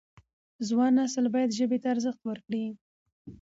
ځوان نسل باید ژبې ته ارزښت ورکړي.